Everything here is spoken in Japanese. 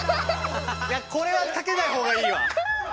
いやこれはかけない方がいいわ。